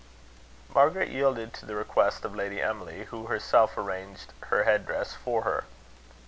Margaret yielded to the request of Lady Emily, who herself arranged her head dress for her.